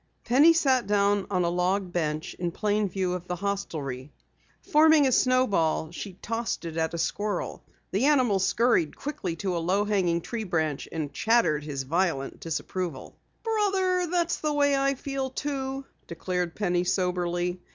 Penny sat down on a log bench in plain view of the hostelry. Forming a snowball, she tossed it at a squirrel. The animal scurried quickly to a low hanging tree branch and chattered his violent disapproval. "Brother, that's the way I feel, too," declared Penny soberly.